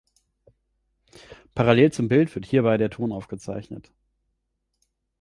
Parallel zum Bild wird hierbei der Ton aufgezeichnet.